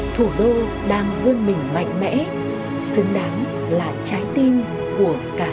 thủ đô đang vươn mình mạnh mẽ xứng đáng là trái tim của cả nước